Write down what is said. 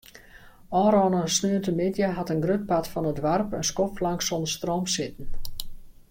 Ofrûne sneontemiddei hat in grut part fan it doarp in skoftlang sûnder stroom sitten.